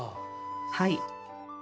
はい。